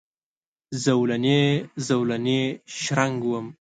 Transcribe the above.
زولنې، زولنې شرنګ وم